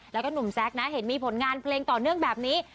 แล้วก็หนุ่มแซคนะเห็นมีผลงานเพลงต่อเนื่องแบบนี้